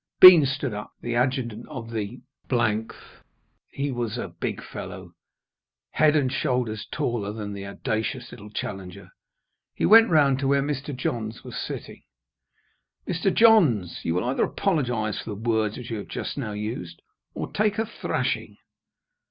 Bean stood up, the adjutant of the th. He was a big fellow, head and shoulders taller than the audacious little challenger. He went round to where Mr. Johns was sitting. "Mr. Johns, you will either apologise for the words which you have just now used, or take a thrashing."